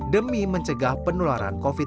demi mencegah penularan covid sembilan belas